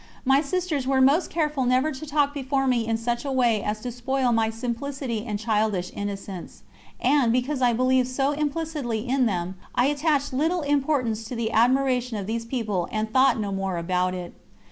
My sisters were most careful never to talk before me in such a way as to spoil my simplicity and childish innocence; and, because I believed so implicitly in them, I attached little importance to the admiration of these people and thought no more about it.